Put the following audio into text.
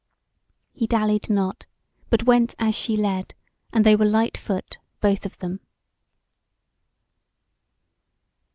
He dallied not, but went as she led, and they were lightfoot, both of them.